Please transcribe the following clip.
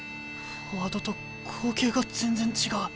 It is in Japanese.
フォワードと光景が全然違う。